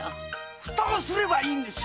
蓋をすればいいんですよ！